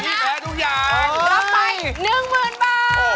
พี่แพ้ทุกอย่างเออ